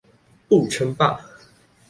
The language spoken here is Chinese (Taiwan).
不稱霸